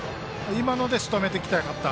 今ので、しとめたかった。